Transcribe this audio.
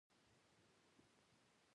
موږ کولی شو دا په یو کمپیوټر بدل کړو